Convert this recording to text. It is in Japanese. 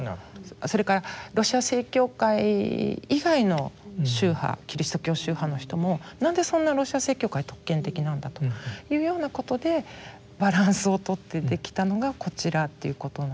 それからロシア正教会以外の宗派キリスト教宗派の人も何でそんなロシア正教会特権的なんだというようなことでバランスをとってできたのがこちらということなんですよね。